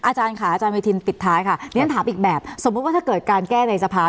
อาจารย์ค่ะอาจารย์เวทินปิดท้ายค่ะเรียนถามอีกแบบสมมุติว่าถ้าเกิดการแก้ในสภา